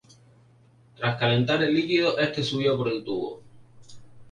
Al calentar el líquido, este subía por el tubo.